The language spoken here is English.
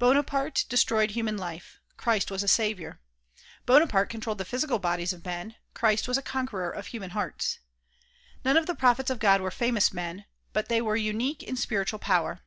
Bonaparte destroyed human life; Christ was a saviour. Bonaparte controlled the physical bodies of men; Christ was a conqueror of human hearts. None of the prophets of God were famous men but they were unique in spiritual power.